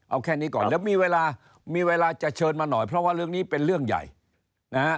เอาแค่นี้ก่อนเดี๋ยวมีเวลามีเวลาจะเชิญมาหน่อยเพราะว่าเรื่องนี้เป็นเรื่องใหญ่นะฮะ